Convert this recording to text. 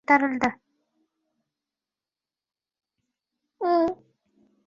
Tijorat banklarida dollar kursi rekord darajada ko‘tarildi